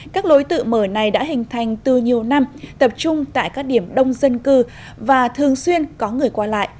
các lối tự mở này đã hình thành từ nhiều năm tập trung tại các điểm đông dân cư và thường xuyên có người qua lại